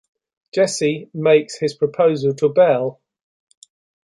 Jesse makes his proposal to Belle.